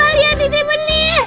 amalia titi benih